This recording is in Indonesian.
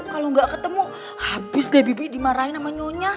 kalo gak ketemu habis deh bibi dimarahin sama nyonya